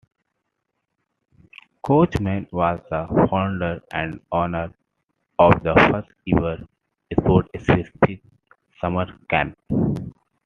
Coach Mann was the founder and owner of the first ever sport-specific summer camp.